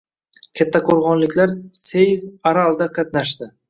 Kattaqo‘rg‘onliklar “Save aral”da qatnashding